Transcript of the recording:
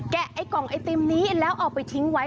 ไอ้กล่องไอติมนี้แล้วเอาไปทิ้งไว้